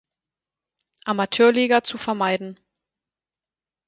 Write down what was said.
Amateurliga zu vermeiden.